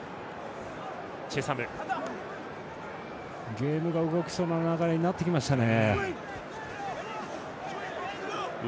ゲームが動きそうな流れになってきましたね。